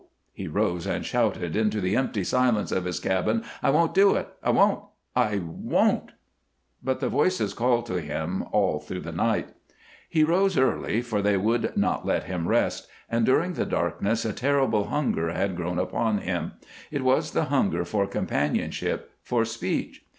_" He rose and shouted into the empty silence of his cabin. "I won't do it! I won't! I won't!" But the voices called to him all through the night. He rose early, for they would not let him rest, and during the darkness a terrible hunger had grown upon him. It was the hunger for companionship, for speech.